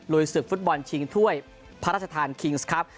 ศึกฟุตบอลชิงถ้วยพระราชทานคิงส์ครับ